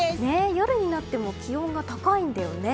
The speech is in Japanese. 夜になっても気温が高いんだよね。